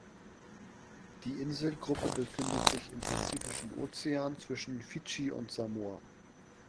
Die Inselgruppe befindet sich im Pazifischen Ozean zwischen Fidschi und Samoa.